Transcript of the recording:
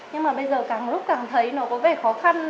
nhưng mà bây giờ càng một lúc càng thấy nó có vẻ khó khăn